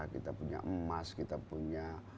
kita punya emas kita punya